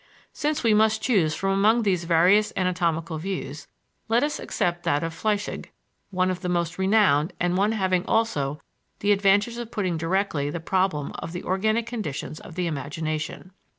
Since we must choose from among these various anatomical views let us accept that of Flechsig, one of the most renowned and one having also the advantage of putting directly the problem of the organic conditions of the imagination.